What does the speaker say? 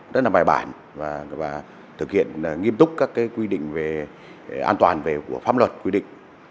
rất là bài bản và thực hiện nghiêm túc các quy định an toàn của pháp luật quy định